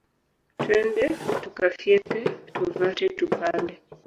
Twende tukafyeke tuvate tupande.